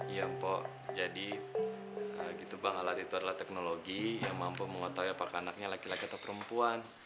iya mpok jadi gitu bang alat itu adalah teknologi yang mampu mengetahui apakah anaknya laki laki atau perempuan